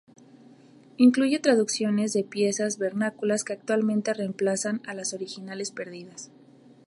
Incluye traducciones de piezas vernáculas que actualmente reemplazan a las originales perdidas.